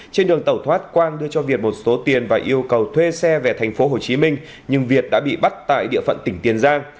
trên đường tẩu thoát quang đưa cho việt một số tiền và yêu cầu thuê xe về thành phố hồ chí minh nhưng việt đã bị bắt tại địa phận tỉnh tiền giang